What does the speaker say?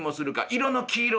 「色の黄色い？」。